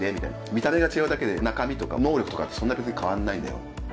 見た目が違うだけで中身とか能力とかってそんな別に変わんないんだよ。